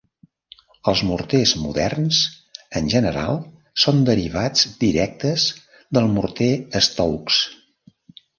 Els morters moderns en general són derivats directes del morter Stokes.